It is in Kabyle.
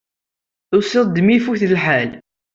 Tusiḍ-d mi ifut lḥal.